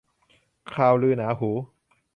ข่าวลือหนาหู